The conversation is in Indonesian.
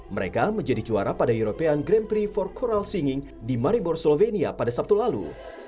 mereka menjadi juara pada european grand prix for choral singing di maribor slovenia pada sabtu lalu